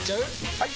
・はい！